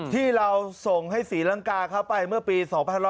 ที่เราส่งให้ศรีลังกาเข้าไปเมื่อปี๒๕๖๐